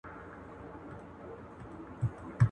بخښنه کول لوی کمال دی.